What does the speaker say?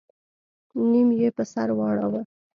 نيم يې په سر واړوه.